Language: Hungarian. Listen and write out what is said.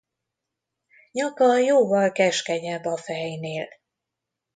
Nyaka jóval keskenyebb a fejnél.